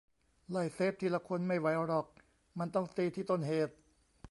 "ไล่เซฟทีละคนไม่ไหวหรอก มันต้องตีที่ต้นเหตุ"